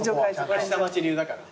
下町流だから。